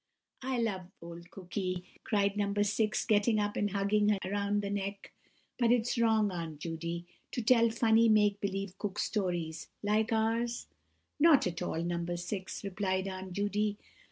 "I love old Cooky," cried No. 6, getting up and hugging her round the neck; "but is it wrong, Aunt Judy, to tell funny make believe Cook Stories, like ours?" "Not at all, No. 6," replied Aunt Judy.